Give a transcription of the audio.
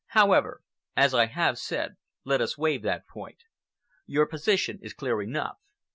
However, as I have said, let us waive that point. Your position is clear enough.